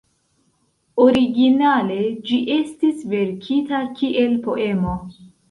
Originale ĝi estis verkita kiel poemo.